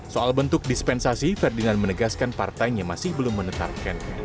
soal bentuk dispensasi ferdinand menegaskan partainya masih belum menetapkan